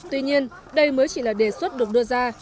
tuy nhiên đây mới chỉ là đề xuất được đưa ra